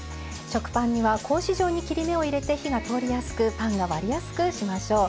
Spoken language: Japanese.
食パンには格子状に切り目を入れて火が通りやすくパンが割りやすくしましょう。